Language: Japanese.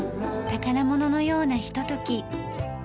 宝物のようなひととき。